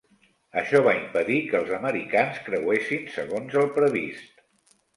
Això va impedir que els americans creuessin segons el previst.